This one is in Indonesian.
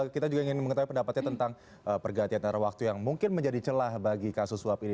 kita juga ingin mengetahui pendapatnya tentang pergantian antara waktu yang mungkin menjadi celah bagi kasus suap ini